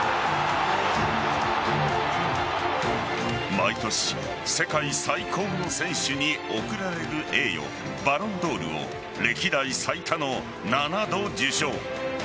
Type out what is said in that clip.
毎年世界最高の選手に贈られる栄誉バロンドールを歴代最多の７度受賞。